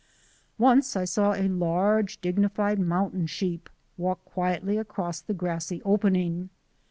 Once I saw a large, dignified mountain sheep walk quietly across the grassy opening.